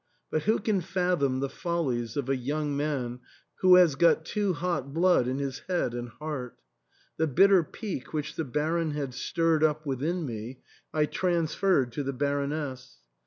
But who can fathom the follies of a young man who has got too hot blood in his head and heart? The bitter pique which the Baron had stirred up within me I transferred to the Baroness.